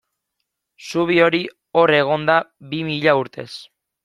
Zubi hori hor egon da bi mila urtez.